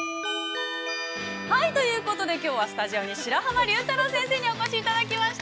◆はい、ということで、きょうはスタジオに白濱龍太郎先生にお越しいただきました。